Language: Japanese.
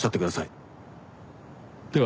では。